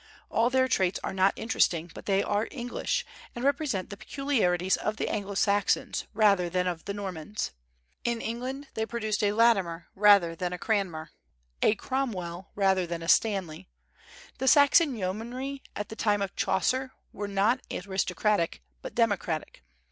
All their traits are not interesting, but they are English, and represent the peculiarities of the Anglo Saxons, rather than of the Normans. In England, they produced a Latimer rather than a Cranmer, a Cromwell rather than a Stanley. The Saxon yeomanry at the time of Chaucer were not aristocratic, but democratic.